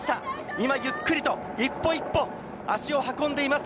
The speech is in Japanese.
今ゆっくりと一歩一歩、足を運んでいます。